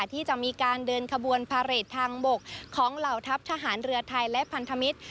ที่จะมีการเดินขบวนพาเรททางบกของเหล่าทัพทหารเรือไทยและพันธมิตร